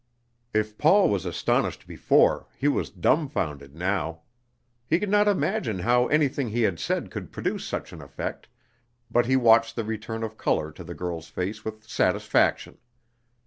If Paul was astonished before, he was dumfounded now. He could not imagine how anything he had said could produce such an effect, but he watched the return of color to the girl's face with satisfaction.